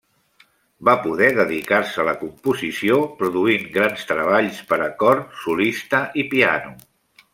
Va poder dedicar-se a la composició, produint grans treballs per a cor, solista i piano.